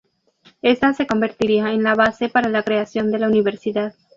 Esta se convertiría en la base para la creación de la universidad.